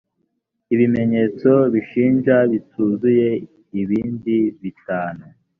ibimenyetso bishinja bituzuye ibindi bitanu